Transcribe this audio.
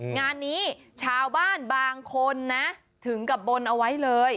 งานนี้ชาวบ้านบางคนนะถึงกับบนเอาไว้เลย